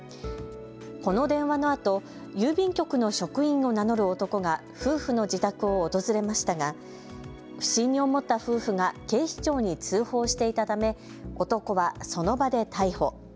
この電話のあと郵便局の職員を名乗る男が夫婦の自宅を訪れましたが不審に思った夫婦が警視庁に通報していたため男はその場で逮捕。